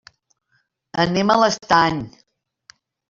Anem a l'Estany.